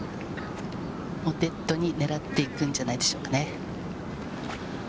デッドに狙っていくんじゃないでしょうかね。